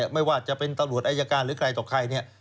ไม่ว่าจะเป็นตลอดอายการหรือกลายต่อใคร